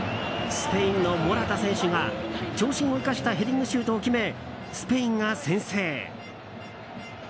スペインのモラタ選手が長身を生かしたヘディングシュートを決めスペインが先制。